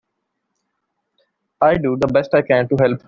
I do the best I can to help.